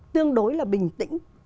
tương đối là bình tĩnh